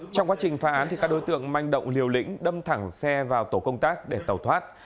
các đối tượng manh động liều lĩnh đâm thẳng xe vào tổ công tác để tàu thoát